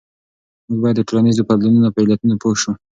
موږ باید د ټولنیزو بدلونونو په علتونو پوه شو.